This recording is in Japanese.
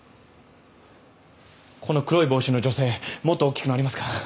この黒い帽子の女性もっとおっきくなりますか？